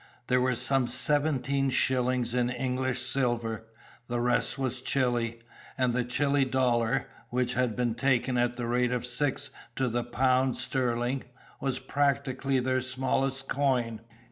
There were some seventeen shillings in English silver: the rest was Chile; and the Chile dollar, which had been taken at the rate of six to the pound sterling, was practically their smallest coin.